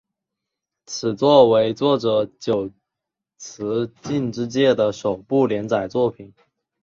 此作为作者久慈进之介的首部连载作品。